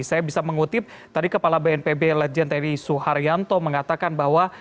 saya bisa mengutip tadi kepala bnpb lejenteri suharyanto mengatakan bahwa